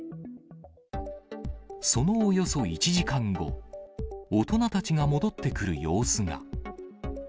そのおよそ１時間後、大人たちが戻ってくる様子が。